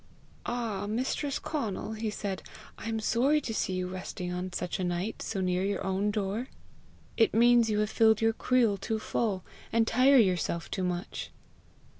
"Ah, mistress Conal!" he said, "I am sorry to see you resting on such a night so near your own door. It means you have filled your creel too full, and tired yourself too much."